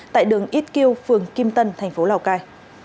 tại đường ít kiêu phường kim tân tp lào cai